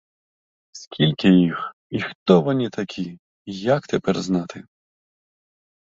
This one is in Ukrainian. Скільки їх і хто вони такі, як тепер знати?